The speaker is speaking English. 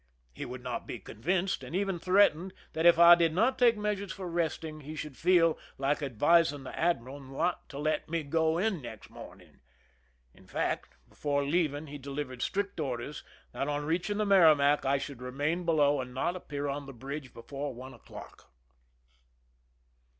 He would not be convinced, a,nd even threatened that if I did not take measures J'or resting he should feel like advis ing the admiral not to let me go in next morning. In fact, before leaving he delivered strict orders that on reaching the Merrimac I should remain below and not appear on the bridge before one o'clock.